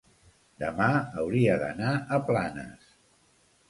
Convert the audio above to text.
Demà hauria d'anar a Planes.